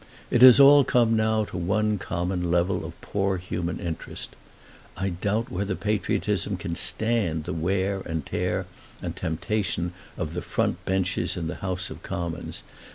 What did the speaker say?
It has all come now to one common level of poor human interests. I doubt whether patriotism can stand the wear and tear and temptation of the front benches in the House of Commons.